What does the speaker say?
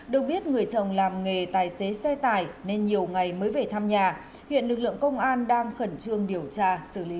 được biết người chồng làm nghề tài xế xe tải nên nhiều ngày mới về thăm nhà hiện lực lượng công an đang khẩn trương điều tra xử lý